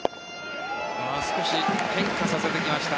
少し変化させてきました。